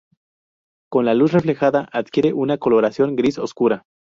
Con luz reflejada adquiere una coloración gris oscura.